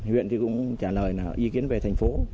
huyện thì cũng trả lời ý kiến về thành phố